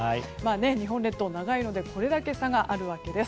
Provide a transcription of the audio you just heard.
日本列島、長いのでこれだけ差があるわけです。